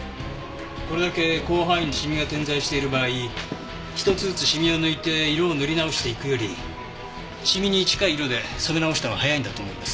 これだけ広範囲にシミが点在している場合一つずつシミを抜いて色を塗り直していくよりシミに近い色で染め直した方が早いんだと思います。